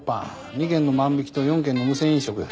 ２件の万引きと４件の無銭飲食。